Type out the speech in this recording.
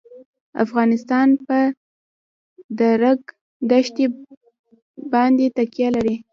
افغانستان په د ریګ دښتې باندې تکیه لري.